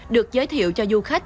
được giới thiệu cho du khách